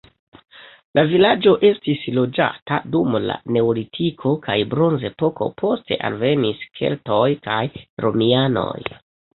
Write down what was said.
La vilaĝo estis loĝata dum la neolitiko kaj bronzepoko, poste alvenis keltoj kaj romianoj.